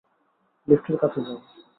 লিফটের কাছে যাও!